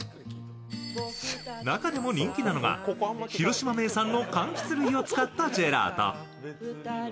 中でも人気なのが広島名産のかんきつ類を使ったジェラート。